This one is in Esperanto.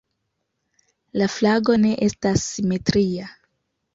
La flago ne estas simetria.